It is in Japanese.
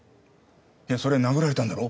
いやそれ殴られたんだろ。